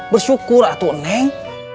bersyukur atu neng